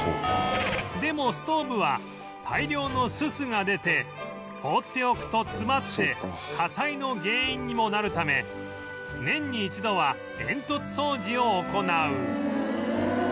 でもストーブは大量のススが出て放っておくと詰まって火災の原因にもなるため年に一度は煙突掃除を行う